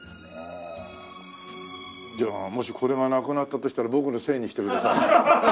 じゃあもしこれがなくなったとしたら僕のせいにしてください。